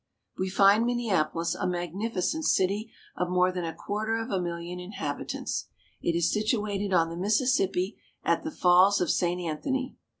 We find Minneapolis a magnificent city of more than a quarter of a million inhabitants. It is situated on the Mis Falls of St. Anthony. sissippi, at the Falls of St. Anthony.